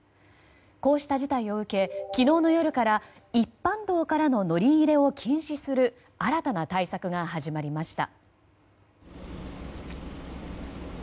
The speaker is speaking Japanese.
こうした事態を受け昨日の夜から一般道からの乗り入れを禁止する新たな対策が始まりました。